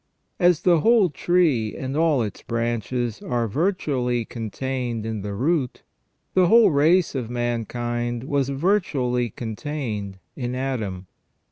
As the whole tree and all its branches are virtually contained in the root, the whole race of mankind was virtually contained in Adam.